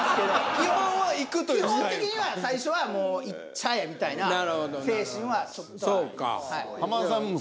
基本的には最初はもういっちゃえみたいな精神はちょっとはありますはい。